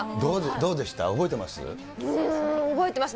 どうですか、覚えてます？